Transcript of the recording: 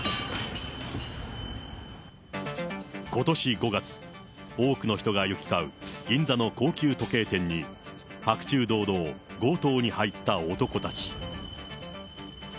ことし５月、多くの人が行き交う銀座の高級時計店に、白昼堂々、強盗に入った男たち。